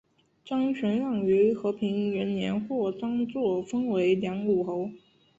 张玄靓于和平元年获张祚封为凉武侯。